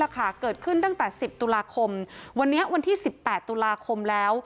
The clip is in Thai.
เกิดขึ้นตั้งแต่๑๐ตุลาคมวันนี้วันที่๑๘ตุลาคมแล้ว